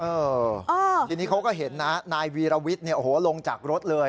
เออทีนี้เขาก็เห็นนะนายวีรวิทย์เนี่ยโอ้โหลงจากรถเลย